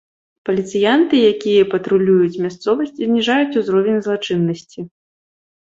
Паліцыянты, якія патрулююць мясцовасць, зніжаюць узровень злачыннасці.